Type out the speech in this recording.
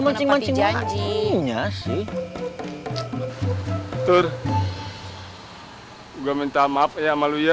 mancing mancing janji nya sih tur gua minta maaf ya sama lu ya